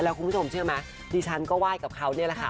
แล้วคุณผู้ชมเชื่อไหมดิฉันก็ไหว้เป็นคนนะ